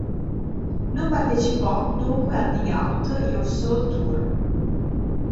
Non partecipò, dunque al Dig Out Your Soul Tour.